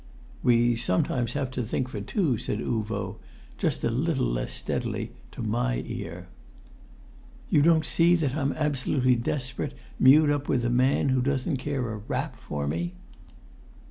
"We sometimes have to think for two," said Uvo just a little less steadily, to my ear. "You don't see that I'm absolutely desperate, mewed up with a man who doesn't care a rap for me!"